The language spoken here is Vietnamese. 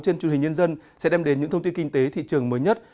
trên truyền hình nhân dân sẽ đem đến những thông tin kinh tế thị trường mới nhất